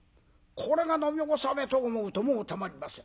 これが飲み納めと思うともう止まりません。